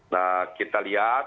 nah kita lihat